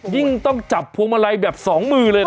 ยิ่งต้องจับพวงมาลัยแบบสองมือเลยนะ